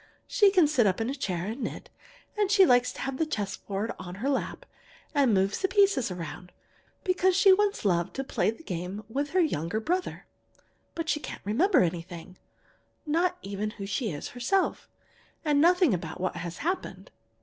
She can sit up in a chair and knit, and she likes to have a chess board on her lap, and move the pieces around, because she once loved to play the game with her younger brother. But she can't remember anything not even who she is herself, and nothing about what has happened.